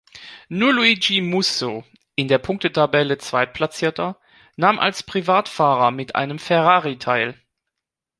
Nur Luigi Musso, in der Punktetabelle Zweitplatzierter, nahm als Privatfahrer mit einem Ferrari teil.